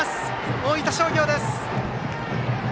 大分商業です。